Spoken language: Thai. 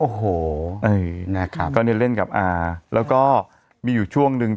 โอ้โหนะครับก็เนี่ยเล่นกับอาแล้วก็มีอยู่ช่วงนึง